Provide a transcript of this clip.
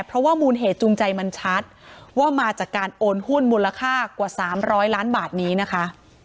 เพราะว่ามูลเหตุจูงใจมันชัดว่ามาจากการโอนหุ้นมูลค่ากว่า๓๐๐ล้านบาทนี้นะคะ